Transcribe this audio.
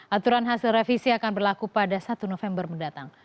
aturan hasil revisi akan berlaku pada satu november mendatang